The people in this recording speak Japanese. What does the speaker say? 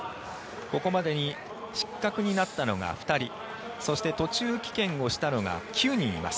ここまでに失格になったのが２人そして途中棄権をしたのが９人います。